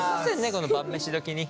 この晩飯時に。